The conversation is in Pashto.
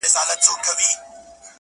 ناهيلی نه یم; بیا هم سوال کومه ولي; ولي;